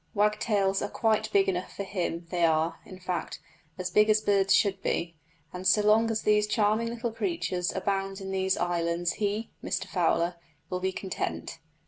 Wagtails are quite big enough for him; they are, in fact, as big as birds should be, and so long as these charming little creatures abound in these islands he (Mr Fowler) will be content.